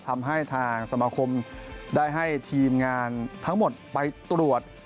ทำให้ทางสมาคมได้ให้ทีมงานทั้งหมดไปตรวจ